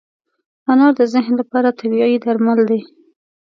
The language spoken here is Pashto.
انار د ذهن لپاره طبیعي درمل دی.